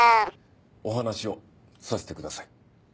お話をさせてください。